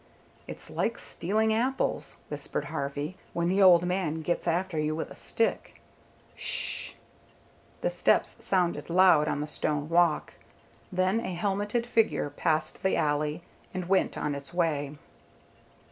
"It's like stealing apples," whispered Harvey. "When the old man gets after you with a stick." "Ssh!" The footsteps sounded loud on the stone walk. Then a helmeted figure passed the alley, and went on its way.